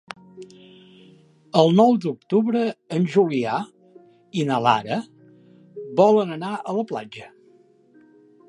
El nou d'octubre en Julià i na Lara volen anar a la platja.